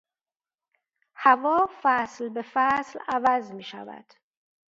هوا فصل به فصل عوض میشود.